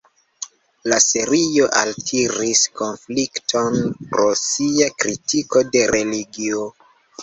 La serio altiris konflikton pro sia kritiko de religio.